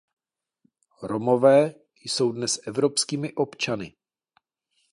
Romové jsou dnes evropskými občany.